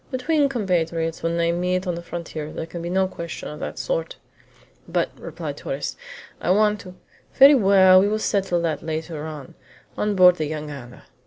"Between compatriots, when they meet on the frontier, there can be no question of that sort." "But," replied Torres, "I want to " "Very well, we will settle that later on, on board the jangada."